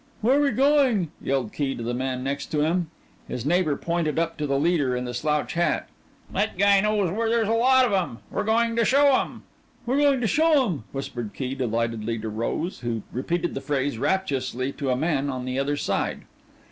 "Where we goin'?" yelled Key to the man nearest him. His neighbor pointed up to the leader in the slouch hat. "That guy knows where there's a lot of 'em! We're goin' to show 'em!" "We're goin' to show 'em!" whispered Key delightedly to Rose, who repeated the phrase rapturously to a man on the other side.